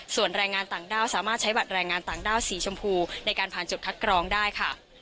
ส่วนแรงงานต่างด้าวสามารถใช้บัตรแรงงานต่างด้าวสีชมพูในการผ่านจุดคัดกรองได้ค่ะ